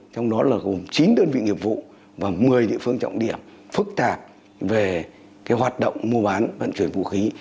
trong đó là gồm chín đơn vị nghiệp vụ và một mươi địa phương trọng điểm phức tạp về hoạt động mua bán vận chuyển vũ khí